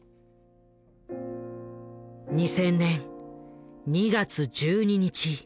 ２０００年２月１２日。